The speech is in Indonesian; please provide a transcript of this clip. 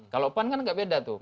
kalau pan kan nggak beda tuh